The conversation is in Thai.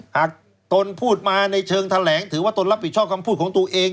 ตนพูดมาในเชิงแถลงถือว่าตนรับผิดชอบคำพูดของตัวเอง